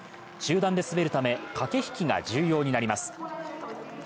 集団で滑るため、駆け引きが重要になります。